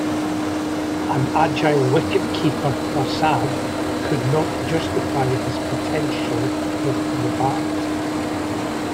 An agile wicketkeeper Prasad could not justify his potential with the bat.